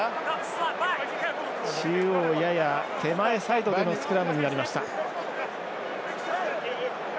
中央やや手前サイドでのスクラムになりました。